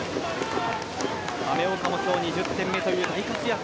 亀岡も今日２０点目という大活躍。